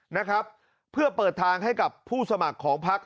นะครับเพื่อเปิดทางให้กับผู้สมัครของพัก